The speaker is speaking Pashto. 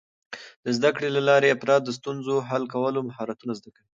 د زده کړې له لارې، افراد د ستونزو حل کولو مهارتونه زده کوي.